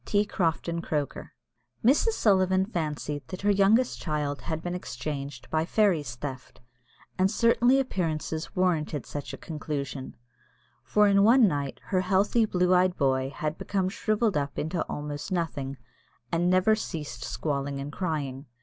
T. CROFTON CROKER. Mrs. Sullivan fancied that her youngest child had been exchanged by "fairies theft," and certainly appearances warranted such a conclusion; for in one night her healthy, blue eyed boy had become shrivelled up into almost nothing, and never ceased squalling and crying.